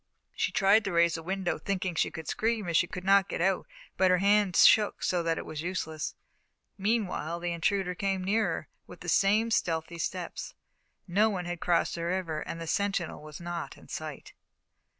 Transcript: She tried to raise the window, thinking that she could scream if she could not get out, but her hands shook so that it was useless. Meanwhile the intruder came nearer, with the same stealthy steps. No one had crossed the river and the sentinel was not in sight.